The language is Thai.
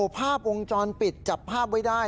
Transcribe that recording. ภาพวงจรปิดจับภาพไว้ได้